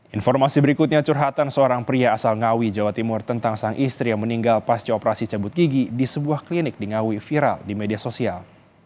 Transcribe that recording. informasi berikutnya curhatan seorang pria asal ngawi jawa timur tentang sang istri yang meninggal pasca operasi cabut gigi di sebuah klinik di ngawi viral di media sosial